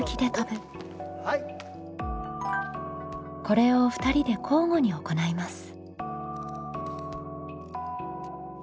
これを２人で交互に行います。